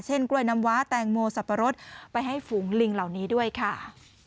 กล้วยน้ำว้าแตงโมสับปะรดไปให้ฝูงลิงเหล่านี้ด้วยค่ะ